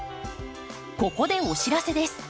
ここでお知らせです。